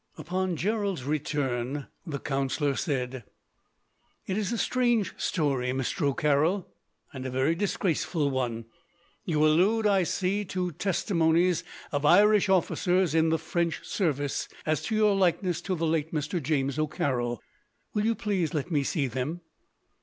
Upon Gerald's return, the counsellor said: "It is a strange story, Mr. O'Carroll, and a very disgraceful one. You allude, I see, to testimonies of Irish officers in the French service as to your likeness to the late Mr. James O'Carroll. Will you please let me see them?"